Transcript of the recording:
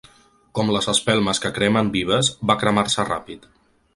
Com les espelmes que cremen vives, va cremar-se ràpid.